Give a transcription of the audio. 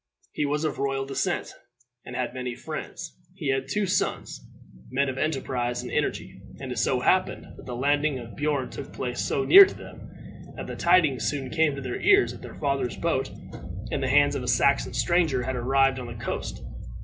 He was of royal descent, and had many friends. He had two sons, men of enterprise and energy; and it so happened that the landing of Beorn took place so near to them, that the tidings soon came to their ears that their father's boat, in the hands of a Saxon stranger, had arrived on the coast.